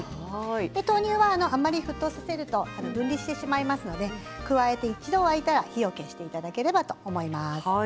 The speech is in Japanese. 豆乳は沸騰させると分離してしまいますので加えて一度沸いたら火を消していただければと思います。